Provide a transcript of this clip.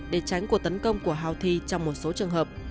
để tránh cuộc tấn công của houthi trong một số trường hợp